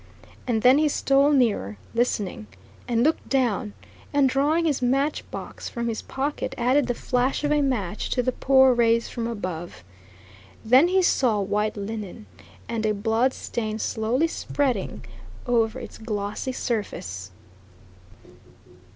And then he stole nearer, listening, and looked down, and drawing his match box from his pocket added the flash of a match to the poor rays from above. Then he saw white linen, and a bloodstain slowly spreading over its glossy surface.